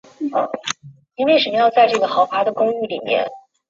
南十字车站历来采用与柏林火车总站类似的高架车站结构。